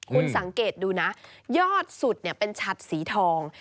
คุณสังเกตดูนะยอดสุดเป็นชัดสีทอง